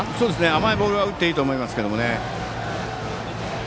甘いボールは打っていいと思います。